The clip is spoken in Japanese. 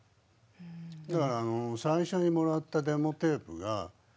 だから最初にもらったデモテープが。